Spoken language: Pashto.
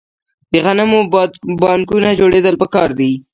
د غنمو بانکونه جوړیدل پکار دي.